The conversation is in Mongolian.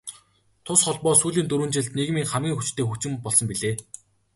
Тус холбоо сүүлийн дөрвөн жилд нийгмийн хамгийн хүчтэй хүчин болсон билээ.